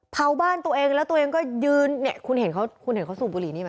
เผาบ้านตัวเองแล้วตัวเองก็ยืนเนี่ยคุณเห็นเขาคุณเห็นเขาสูบบุหรี่นี้ไหม